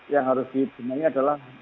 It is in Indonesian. yang harus dijemahi adalah